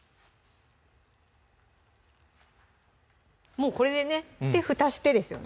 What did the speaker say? もうこれでねふたしてですよね